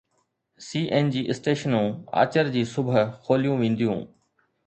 سي N G اسٽيشنون آچر جي صبح کوليون وينديون